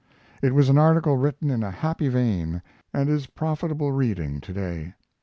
It was an article written in a happy vein and is profitable reading to day.